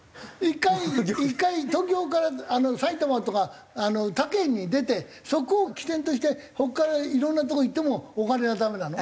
１回１回東京から埼玉とか他県に出てそこを起点としてそこからいろんなとこへ行ってもお金はダメなの？